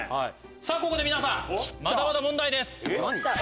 ここで皆さんまたまた問題です。